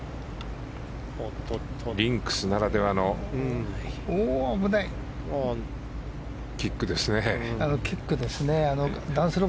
リンクスならではのキックですね。